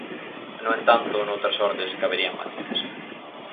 No entanto, noutras ordes, caberían matices.